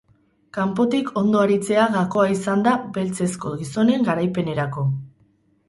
Kanpotik ondo aritzea gakoa izan da beltzezko gizonen garaipenarako.